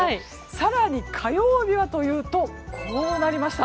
更に火曜日はというとこうなりました。